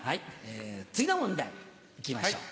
次の問題、いきましょう。